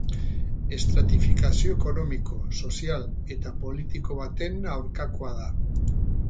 Estratifikazio ekonomiko, sozial edo politiko baten aurkakoa da.